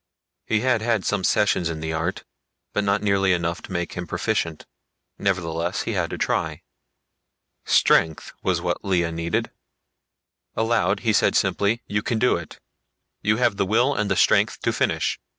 He had had some sessions in the art, but not nearly enough to make him proficient. Nevertheless he had to try. Strength was what Lea needed. Aloud he said simply, "You can do it. You have the will and the strength to finish."